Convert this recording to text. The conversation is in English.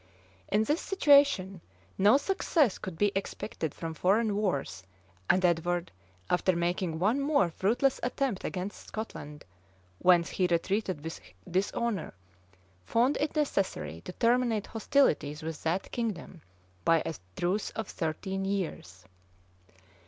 In this situation, no success could be expected from foreign wars; and Edward, after making one more fruitless attempt against Scotland, whence he retreated with dishonor, found it necessary to terminate hostilities with that kingdom, by a truce of thirteen years.